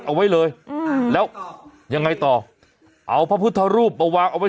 เอาไว้เลยอืมแล้วยังไงต่อเอาพระพุทธรูปมาวางเอาไว้